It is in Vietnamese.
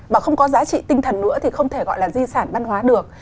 và không có giá trị tinh thần nữa thì không thể gọi là di sản văn hóa được